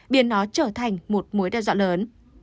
biến nó trở thành một mối đe dọa lớn